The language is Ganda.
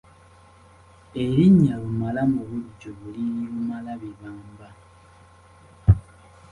Erinnya Lumala mu bujjuvu liri Lumalabibamba.